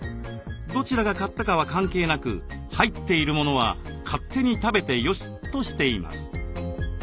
どちらが買ったかは関係なく入っているものは勝手に食べてよしとしています。